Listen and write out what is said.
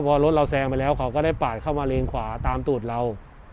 พอรถเราแซงไปแล้วเขาก็ได้ปาดเข้ามาเลนขวาตามตูดเรา